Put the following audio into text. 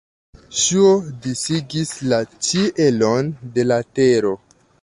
Ŝuo disigis la ĉielon de la tero.